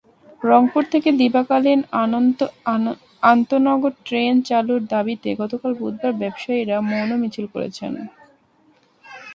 রংপুর থেকে দিবাকালীন আন্তনগর ট্রেন চালুর দাবিতে গতকাল বুধবার ব্যবসায়ীরা মৌন মিছিল করেছেন।